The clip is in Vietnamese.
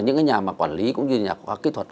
những nhà quản lý cũng như nhà kỹ thuật